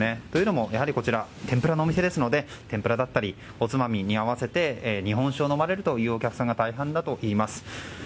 というのもこちらは天ぷらのお店ですので天ぷらだったりおつまみに合わせて日本酒を飲まれるというお客さんが大半だといいます。